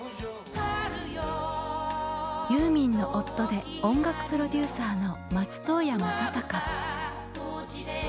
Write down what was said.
ユーミンの夫で音楽プロデューサーの松任谷正隆。